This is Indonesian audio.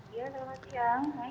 iya selamat siang